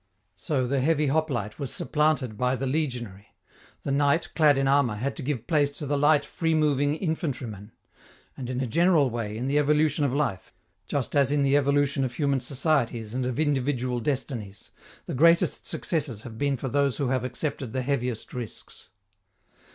So the heavy hoplite was supplanted by the legionary; the knight, clad in armor, had to give place to the light free moving infantryman; and in a general way, in the evolution of life, just as in the evolution of human societies and of individual destinies, the greatest successes have been for those who have accepted the heaviest risks.